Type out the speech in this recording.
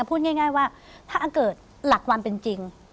พูดง่ายว่าถ้าเกิดหลักความเป็นจริง